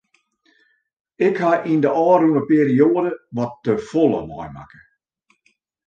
Ik ha yn de ôfrûne perioade wat te folle meimakke.